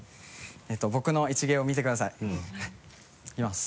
僕の一芸を見てください。いきます。